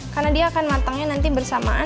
karena dia akan matangnya nanti bersamaan